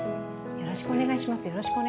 よろしくお願いします